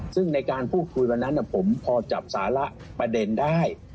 ซึ่งในการพูดคุยวันนั้นผมพอจับสาระประเด็นได้